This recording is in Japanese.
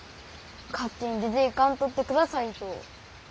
勝手に出ていかんとってくださいと。